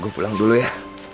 gue pulang dulu ya